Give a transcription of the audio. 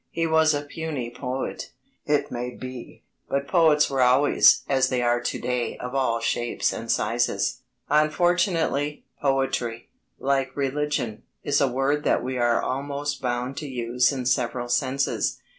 He was a puny poet, it may be, but poets were always, as they are to day, of all shapes and sizes. Unfortunately, "poetry," like "religion," is a word that we are almost bound to use in several senses.